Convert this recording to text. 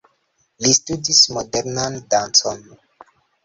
Li studis modernan dancon.